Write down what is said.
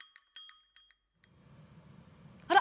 あら！